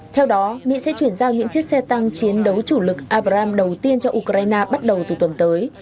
theo đó mỹ sẽ chuyển giao những chiếc xe tăng chiến đấu chủ lực abram đầu tiên cho ukraine bắt đầu từ tuần tới